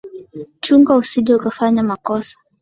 Chunga usije ukafanya makosa